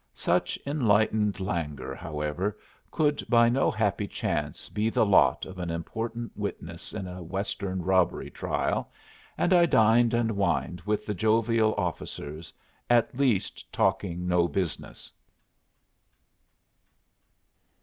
Such enlightened languor, however, could by no happy chance be the lot of an important witness in a Western robbery trial, and I dined and wined with the jovial officers, at least talking no business.